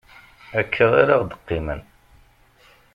Akka ara ɣ-deqqimen.